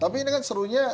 tapi ini kan serunya